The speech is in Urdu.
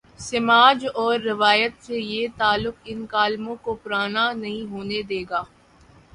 سماج اور روایت سے یہ تعلق ان کالموں کوپرانا نہیں ہونے دے گا۔